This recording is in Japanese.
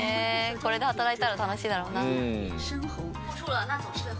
これで働いたら楽しいだろうな。